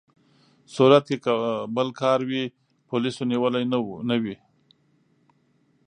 صورت کې که بل کار وي، پولیسو نیولي نه وي.